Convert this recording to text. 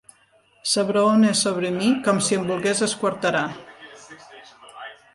S'abraona sobre mi com si em volgués esquarterar.